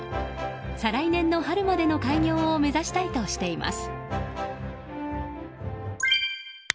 再来年の春までの開業を目指したいとしています。